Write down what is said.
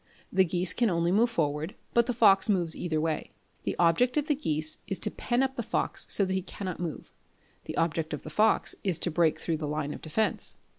The geese can only move forward, but the fox moves either way. The object of the geese is to pen up the fox so that he cannot move; the object of the fox is to break through the line of defence.